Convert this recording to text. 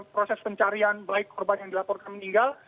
proses pencarian baik korban yang dilaporkan meninggal